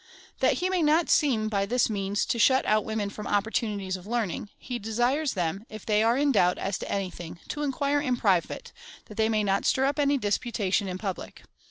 That he may not seem, by this means, to shut out women from opportunities of learning, he desires them, if they are in doubt as to any thing, to inquire in private, that they may not stir uj) any disputation in public.